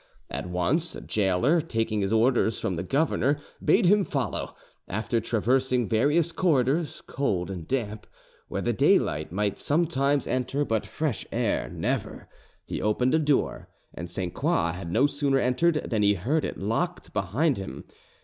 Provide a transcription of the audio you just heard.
At once a gaoler, taking his orders from the governor, bade him follow: after traversing various corridors, cold and damp, where the daylight might sometimes enter but fresh air never, he opened a door, and Sainte Croix had no sooner entered than he heard it locked behind him.